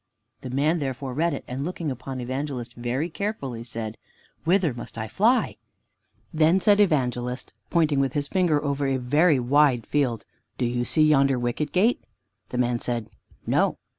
The man therefore read it, and looking upon Evangelist very carefully, said, "Whither must I fly!" Then said Evangelist, pointing with his finger over a very wide field, "Do you see yonder Wicket gate?" The man said, "No."